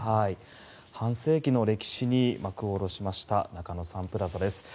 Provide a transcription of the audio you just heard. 半世紀の歴史に幕を下ろしました中野サンプラザです。